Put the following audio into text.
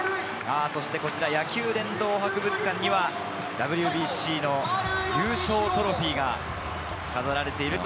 そしてこちら野球殿堂博物館には、ＷＢＣの優勝トロフィーが飾られています。